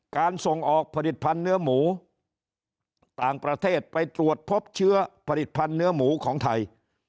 การส่งออกผลิตภัณฑ์เนื้อหมูต่างประเทศไปตรวจพบเชื้อผลิตภัณฑ์เนื้อหมูของไทย